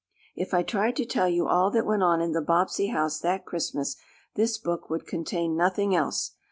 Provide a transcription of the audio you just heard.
If I tried to tell you all that went on in the Bobbsey house that Christmas this book would contain nothing else.